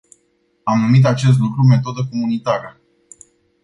Am numit acest lucru metodă comunitară.